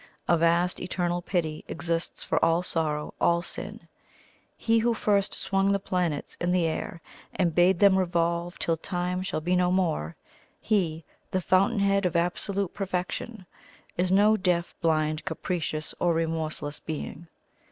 A vast Eternal Pity exists for all sorrow, all sin. He who first swung the planets in the air, and bade them revolve till Time shall be no more He, the Fountain Head of Absolute Perfection, is no deaf, blind, capricious, or remorseless Being.